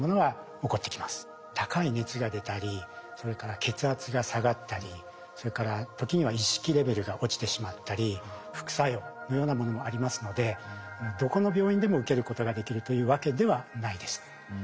高い熱が出たりそれから血圧が下がったりそれから時には意識レベルが落ちてしまったり副作用のようなものもありますのでどこの病院でも受けることができるというわけではないです。